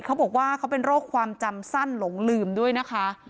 เขาบอกว่าเขาเป็นโรคความจำสั้นหลงลืมด้วยนะคะ